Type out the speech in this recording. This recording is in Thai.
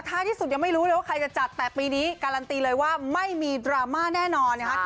ที่สุดยังไม่รู้เลยว่าใครจะจัดแต่ปีนี้การันตีเลยว่าไม่มีดราม่าแน่นอนนะคะ